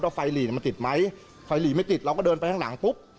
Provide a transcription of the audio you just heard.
ไฟหลีเนี่ยมันติดไหมไฟหลีไม่ติดเราก็เดินไปข้างหลังปุ๊บ